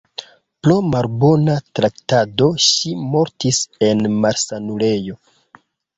Pro malbona traktado ŝi mortis en malsanulejo.